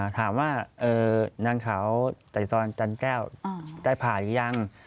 ถามว่านางเขาใส่ซ้อนจันทร์แก้วได้ผ่าหรือยัง